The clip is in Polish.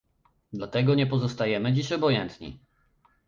Dlatego nie pozostajemy dziś obojętni